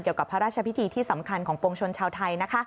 เกี่ยวกับพระราชพิธีที่สำคัญของปวงชนชาวไทย